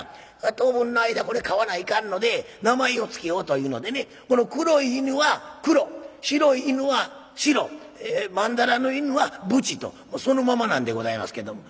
当分の間これ飼わないかんので名前を付けようというのでねこの黒い犬はクロ白い犬はシロまんだらの犬はブチとそのままなんでございますけども。